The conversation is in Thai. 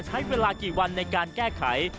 ใช้เวลากี่วันในการแก้ไข